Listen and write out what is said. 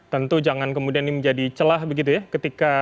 tentu jangan kemudian ini menjadi celah begitu ya ketika